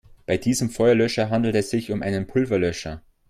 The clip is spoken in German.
Bei diesem Feuerlöscher handelt es sich um einen Pulverlöscher.